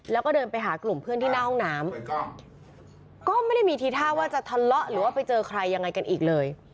แล้วก็เดินไปหากลุ่มเพื่อนที่หน้าห้องน้ำก็ไม่ได้มีทีท่าว่าจะทะเลาะหรือว่าไปเจอใครยังไงกันอีกเลย